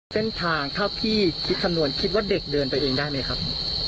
เส้นทางถ้าพี่คิดคำนวณคิดว่าเด็กเดินไปเองได้ไหมครับ